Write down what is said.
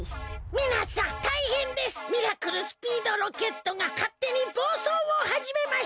「みなさんたいへんです！ミラクルスピードロケットがかってにぼうそうをはじめました」。